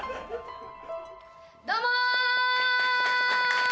どうもー！